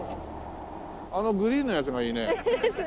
あのグリーンのやつがいいね。